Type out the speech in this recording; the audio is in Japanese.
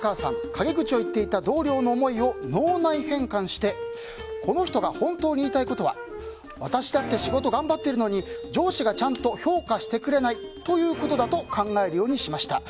陰口を言っていた同僚の思いを脳内変換してこの人が本当に言いたいことは私だって仕事がんばっているのに上司がちゃんと評価してくれないと考えるようにしました。